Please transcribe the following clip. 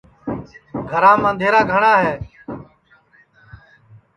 گھرام اںٚدھیرا گھٹؔا ہے